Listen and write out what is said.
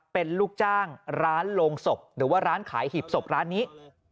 เป็นลูกจ้างร้านโรงศพหรือว่าร้านขายหีบศพร้านนี้